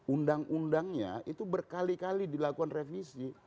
undang undangnya itu berkali kali dilakukan revisi